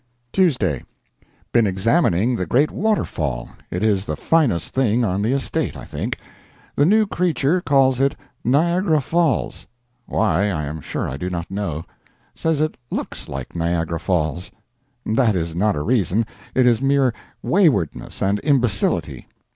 TUESDAY. Been examining the great waterfall. It is the finest thing on the estate, I think. The new creature calls it Niagara Falls why, I am sure I do not know. Says it _looks _like Niagara Falls. That is not a reason, it is mere waywardness and imbecility.